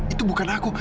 itu bukan aku